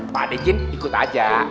pak dejin ikut aja